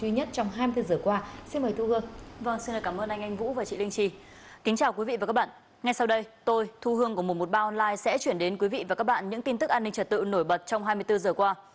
ngay sau đây tôi thu hương của một trăm một mươi ba online sẽ chuyển đến quý vị và các bạn những tin tức an ninh trật tự nổi bật trong hai mươi bốn h qua